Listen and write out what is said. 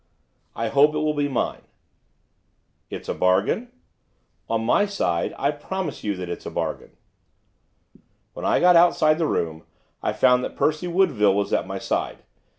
'I hope it will be mine.' 'It's a bargain?' 'On my side, I promise you that it's a bargain.' When I got outside the room I found that Percy Woodville was at my side.